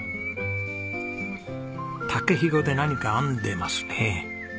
竹ひごで何か編んでますね。